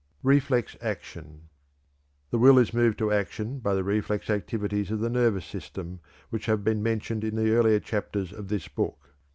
Reflex Action. The will is moved to action by the reflex activities of the nervous system which have been mentioned in the earlier chapters of this book.